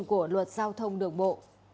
của luật giao thông đường bộ